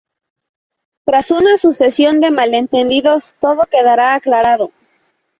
Tras una sucesión de malentendidos todo quedará aclarado.